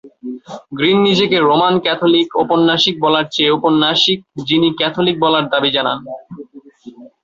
Green নিজেকে Roman Catholic ঔপন্যাসিক বলার চেয়ে ঔপন্যাসিক যিনি ক্যাথলিক বলার দাবী জানান।